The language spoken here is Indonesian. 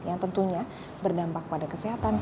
yang tentunya berdampak pada kesehatan